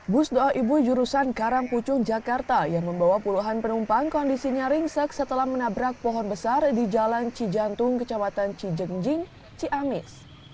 bus doa ibu jurusan karangpucung jakarta yang membawa puluhan penumpang kondisinya ringsek setelah menabrak pohon besar di jalan cijantung kecamatan cijengjing ciamis